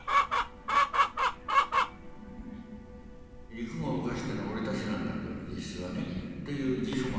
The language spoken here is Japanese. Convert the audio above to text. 陸軍を動かしてるのは俺たちなんだと実質はねという自負もあるわけです。